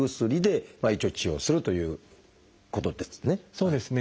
そうですね。